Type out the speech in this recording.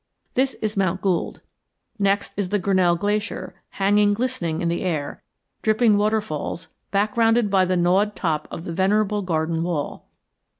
This is Mount Gould. Next is the Grinnell Glacier, hanging glistening in the air, dripping waterfalls, backgrounded by the gnawed top of the venerable Garden Wall.